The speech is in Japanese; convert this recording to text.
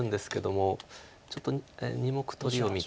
ちょっと２目取りを見て。